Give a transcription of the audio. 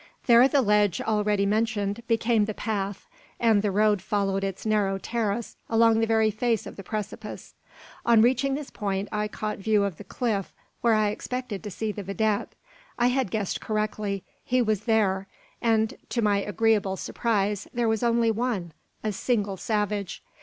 There the ledge already mentioned became the path, and the road followed its narrow terrace along the very face of the precipice. On reaching this point I caught view of the cliff where I expected to see the vidette. I had guessed correctly he was there, and, to my agreeable surprise, there was only one: a single savage.